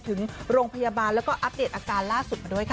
ถึงโรงพยาบาลแล้วก็อัปเดตอาการล่าสุดมาด้วยค่ะ